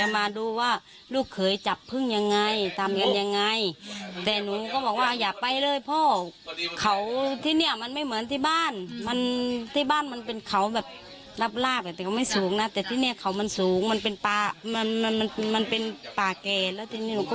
มันเป็นปลาแกแล้วทีนี้หนูก็บอกว่า